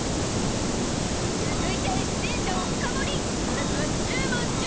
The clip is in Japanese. ［続いて出演者を深掘り！］